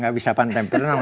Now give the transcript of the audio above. tidak bisa pantai berenang